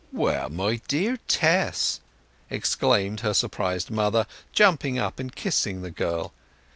"Well!—my dear Tess!" exclaimed her surprised mother, jumping up and kissing the girl.